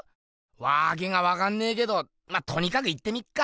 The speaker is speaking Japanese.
わけがわかんねけどまっとにかく行ってみっか。